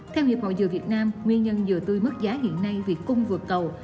theo hiệp hội dừa việt nam nguyên nhân dừa tươi mất giá hiện nay vì cung vượt cầu